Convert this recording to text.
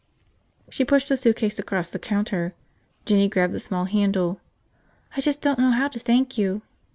She pushed the suitcase across the counter. Jinny grabbed the small handle. "I just don't know how to thank you!"